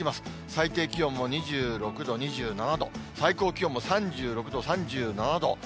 最低気温も２６度、２７度、最高気温も３６度、３７度。